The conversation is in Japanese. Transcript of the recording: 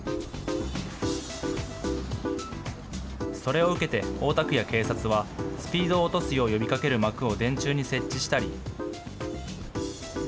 それを受けて大田区や警察はスピードを落とすよう呼びかける幕を電柱に設置したり。